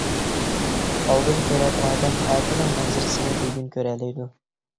ئالدىن كۆرەر ئادەم، ئەتىنىڭ مەنزىرىسىنى بۈگۈن كۆرەلەيدۇ.